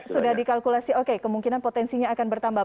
sudah dikalkulasi oke kemungkinan potensinya akan bertambah